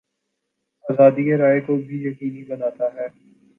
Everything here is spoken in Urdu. آزادیٔ رائے کو بھی یقینی بناتا ہے۔